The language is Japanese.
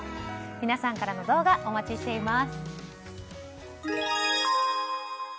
皆さんからの動画お待ちしています。